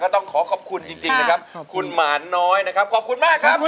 ต้องขอขอบคุณจริงนะครับคุณหมานน้อยนะครับขอบคุณมากครับ